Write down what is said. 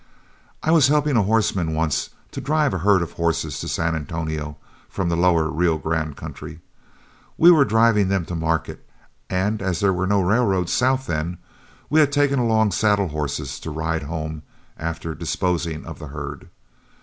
I was helping a horseman once to drive a herd of horses to San Antonio from the lower Rio Grande country. We were driving them to market, and as there were no railroads south then, we had to take along saddle horses to ride home on after disposing of the herd.